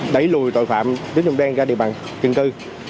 đẩy lùi tội phạm tính dụng đen ra địa bàn kiên cư